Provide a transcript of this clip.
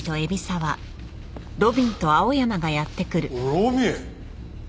路敏！？